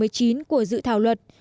của dự thảo luật